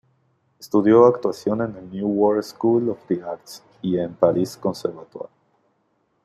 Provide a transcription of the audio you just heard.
Estudió actuación en el New World School of the Arts y en Paris Conservatoire.